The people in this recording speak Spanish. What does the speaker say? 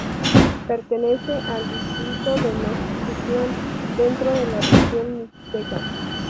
Pertenece al distrito de Nochixtlán, dentro de la región mixteca.